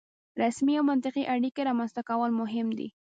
رسمي او منطقي اړیکې رامنځته کول مهم دي.